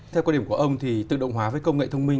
theo quan điểm của ông thì tự động hóa với công nghệ thông minh